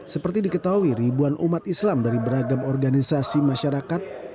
seperti diketahui ribuan umat islam dari beragam organisasi masyarakat